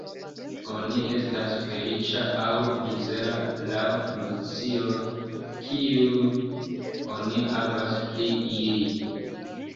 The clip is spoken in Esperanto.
Oni estas feliĉa aŭ mizera laŭ nocioj, kiujn oni havas pri ili.